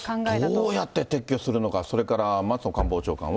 どうやって撤去するのか、それから松野官房長官は。